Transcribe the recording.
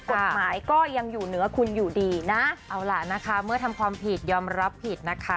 กฎหมายก็ยังอยู่เหนือคุณอยู่ดีนะเอาล่ะนะคะเมื่อทำความผิดยอมรับผิดนะคะ